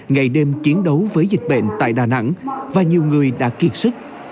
ngày đêm chiến đấu với dịch bệnh tại đà nẵng và nhiều người đã kiệt sức